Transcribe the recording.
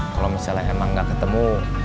kalau misalnya emang gak ketemu